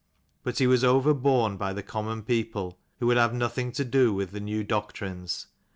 But he was overborne by the common people, who would have nothing to do with the new doctrines.